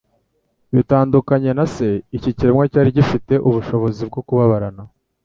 Bitandukanye na se, iki kiremwa cyari gifite ubushobozi bwo kubabarana.